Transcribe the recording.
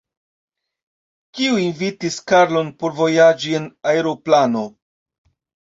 Kiu invitis Karlon por vojaĝi en aeroplano?